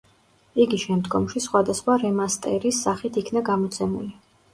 იგი შემდგომში სხვადასხვა რემასტერის სახით იქნა გამოცემული.